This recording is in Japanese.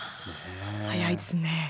早いですね。